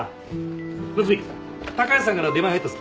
夏海高橋さんから出前入ったぞ。